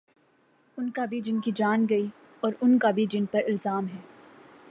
ان کا بھی جن کی جان گئی اوران کا بھی جن پر الزام ہے۔